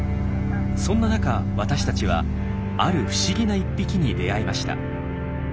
そんな中私たちはある不思議な１匹に出会いました。